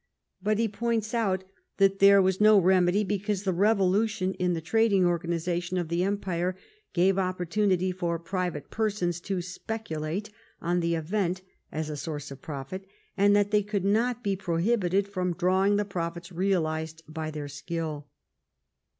But he points out that there was no remedy, because "the revolution in the trading organization of the empire gave opportunity for private persons to speculate on the event as a source of profit, and they could not be pro hibited from drawing the profits realized by their skill."